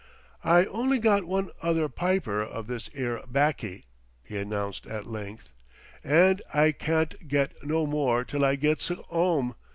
"I only got one other pyper of this 'ere 'baccy," he announced at length, "and I carn't get no more till I gets 'ome.